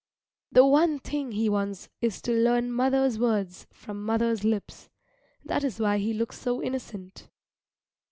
The one thing he wants is to learn mother's words from mother's lips. That is why he looks so innocent.